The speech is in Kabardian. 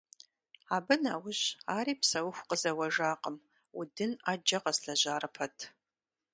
Абы нэужь ари псэуху къызэуэжакъым, удын Ӏэджэ къэзлэжьарэ пэт.